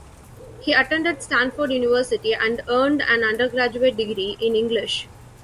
He attended Stanford University and earned an undergraduate degree in English.